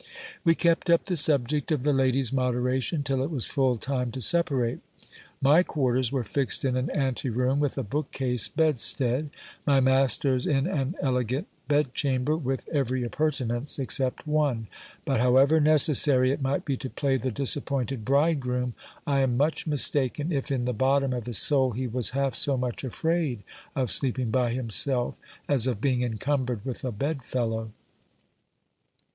We kept up the subject of the lady's moderation till it was full time to separate. My quarters were fixed in an ante room with a book case bedstead ; my master's in an elegant bed chamber with every appurtenance except one : but however necessary it might be to play the disappointed bridegroom, I am much mistaken if in the bottom of his soul he was half so much afraid of sleeping by himself as of being encumbered with a bed fellow.